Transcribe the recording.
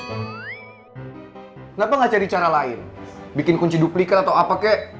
kenapa gak cari cara lain bikin kunci duplikan atau apa kek